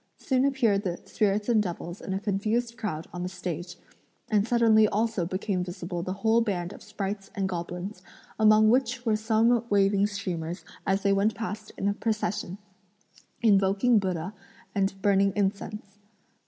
Soon appeared the spirits and devils in a confused crowd on the stage, and suddenly also became visible the whole band of sprites and goblins, among which were some waving streamers, as they went past in a procession, invoking Buddha and burning incense.